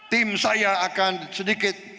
tim saya akan sedikit